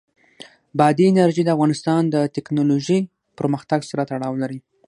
بادي انرژي د افغانستان د تکنالوژۍ پرمختګ سره تړاو لري.